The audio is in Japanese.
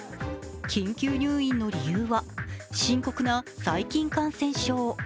緊急入院の理由は、深刻な細菌感染症。